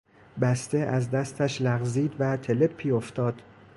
بسته از دستش لغزید و تلپی افتاد.